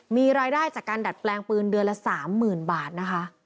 มีรายได้จากการดัดแปลงปืนเดือนละ๓๐๐๐บาทนะคะ